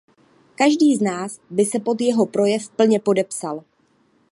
Každý z nás by se pod jeho projev plně podepsal.